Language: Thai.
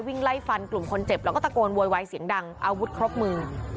ไล่ฟันกลุ่มคนเจ็บแล้วก็ตะโกนโวยวายเสียงดังอาวุธครบมือ